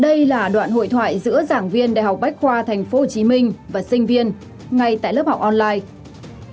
đây là đoạn hội thoại giữa giảng viên đại học bách khoa tp hcm và sinh viên ngay tại lớp học online